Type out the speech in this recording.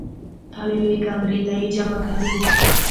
او يوې کمرې ته ئې جمع کوي -